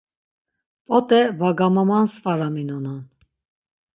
P̆ot̆e va gamamansvaraminonan.